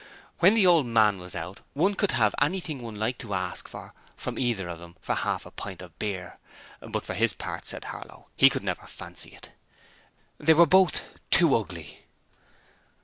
When the old man was out, one could have anything one liked to ask for from either of 'em for half a pint of beer, but for his part, said Harlow, he could never fancy it. They were both too ugly.